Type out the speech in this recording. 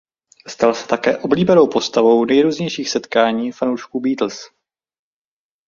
Stal se také oblíbenou postavou nejrůznějších setkání fanoušků Beatles.